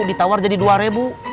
ditawar jadi dua ribu